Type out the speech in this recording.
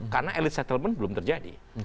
karena elite settlement belum terjadi